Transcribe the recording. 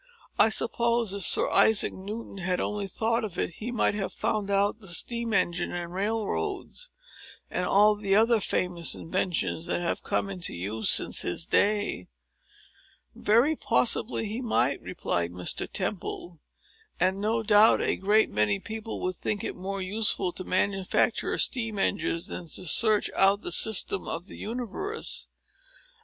"I suppose if Sir Isaac Newton had only thought of it, he might have found out the steam engine, and railroads, and all the other famous inventions that have come into use since his day." "Very possibly he might," replied Mr. Temple; "and, no doubt, a great many people would think it more useful to manufacture steam engines, than to search out the system of the universe.